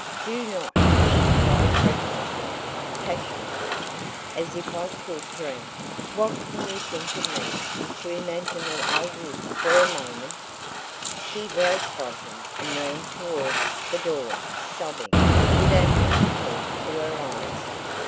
"Do not!" she cried breathlessly, passionately. "As if I could dream What can you think of me, to imagine that I would for a moment " She broke from him and ran towards the door, sobbing, with her handkerchief to her eyes.